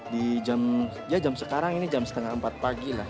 di jam ya jam sekarang ini jam setengah empat pagi lah